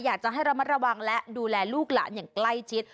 อยากจะให้ระมัดระวังและดูแลลูกหลานอย่างใกล้ชิด